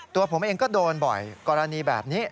ตัวผมเองก็โดนบ่อยกรณีแบบนี้